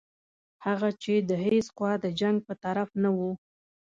هغه چې د هیڅ خوا د جنګ په طرف نه وو.